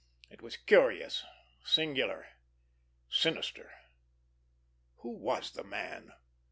It was curious, singular, sinister. Who was the man?